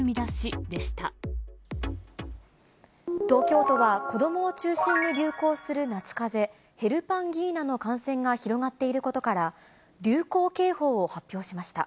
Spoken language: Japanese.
東京都は、子どもを中心に流行する夏かぜ、ヘルパンギーナの感染が広がっていることから、流行警報を発表しました。